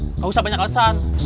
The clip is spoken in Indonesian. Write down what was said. enggak usah banyak alasan